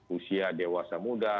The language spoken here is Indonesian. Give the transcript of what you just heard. usia dewasa muda